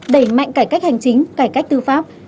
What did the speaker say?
đẩy mạnh cải cách hành chính cải cách tư pháp